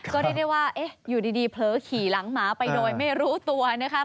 ก็เรียกได้ว่าอยู่ดีเผลอขี่หลังหมาไปโดยไม่รู้ตัวนะคะ